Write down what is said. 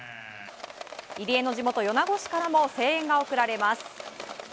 入江の地元・米子市からも声援が送られます。